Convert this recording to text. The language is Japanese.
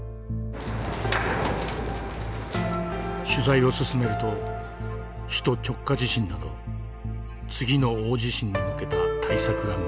取材を進めると首都直下地震など次の大地震に向けた対策が見えてきました。